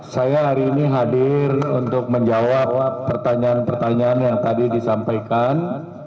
saya hari ini hadir untuk menjawab pertanyaan pertanyaan yang tadi disampaikan